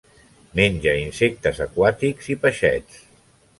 Menja insectes aquàtics i peixets.